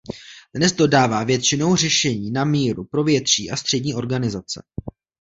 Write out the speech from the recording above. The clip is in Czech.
Dnes dodává většinou řešení na míru pro větší a střední organizace.